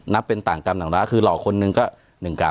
เป็นต่างกรรมต่างด้าคือหลอกคนหนึ่งก็๑๙